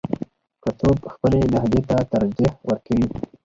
که څوک خپلې لهجې ته ترجیح ورکوي.